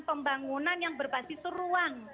pembangunan yang berbasis ruang